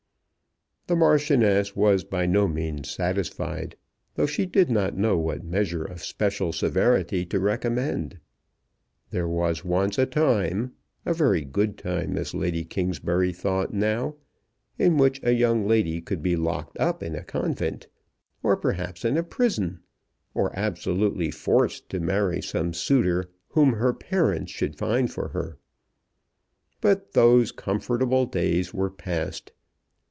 The Marchioness was by no means satisfied, though she did not know what measure of special severity to recommend. There was once a time, a very good time, as Lady Kingsbury thought now, in which a young lady could be locked up in a convent, or perhaps in a prison, or absolutely forced to marry some suitor whom her parents should find for her. But those comfortable days were past.